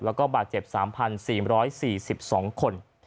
และบาทเจ็บ๓๔๔๒คน